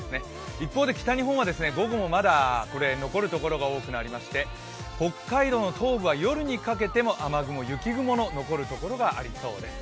一方で北日本は午後もまだ残る所が多くなりまして、北海道の東部は夜にかけても雨雲、雪雲の残るところがありそうです。